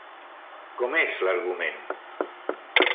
Com és l'argument?